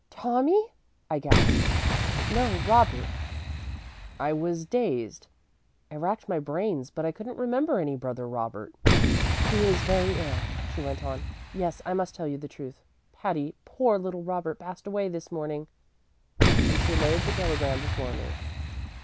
"'Tommy?' I gasped. "'No; Robert.' "I was dazed. I racked my brains, but I couldn't remember any brother Robert. "'He is very ill,' she went on. 'Yes, I must tell you the truth, Patty; poor little Robert passed away this morning'; and she laid the telegram before me.